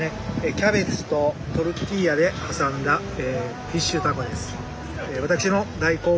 キャベツとトルティーヤで挟んだフィッシュタコです。